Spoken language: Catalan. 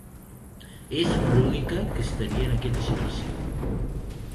És l'única que estaria en aquesta situació.